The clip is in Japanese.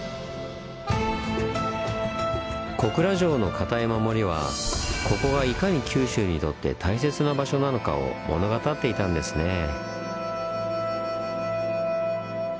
小倉城の堅い守りはここはいかに九州にとって大切な場所なのかを物語っていたんですねぇ。